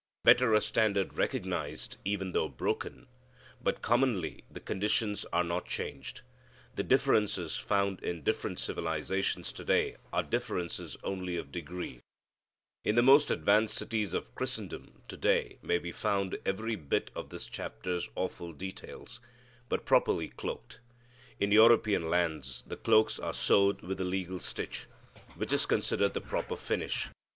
Better a standard recognized, even though broken. But commonly the conditions are not changed. The differences found in different civilizations to day are differences only of degree. In the most advanced cities of Christendom to day may be found every bit of this chapter's awful details, but properly cloaked. In European lands the cloaks are sewed with the legal stitch, which is considered the proper finish.